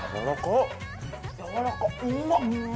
やわらかうまっうま。